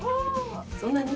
そんなに？